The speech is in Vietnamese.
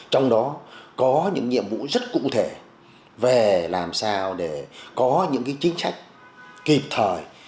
trong đó có những nhiệm vụ rất cụ thể về làm sao để có những chính sách kịp thời